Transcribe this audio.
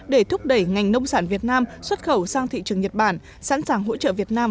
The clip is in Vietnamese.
để thúc đẩy ngành nông sản việt nam xuất khẩu sang thị trường nhật bản sẵn sàng hỗ trợ việt nam